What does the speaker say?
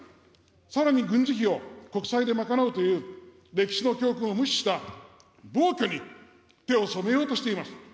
さらに軍事費を国債で賄うという歴史の教訓を無視した暴挙に手を染めようとしています。